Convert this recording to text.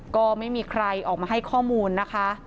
ก็ไม่มีใครออกมาให้ข้อมูลนะคะ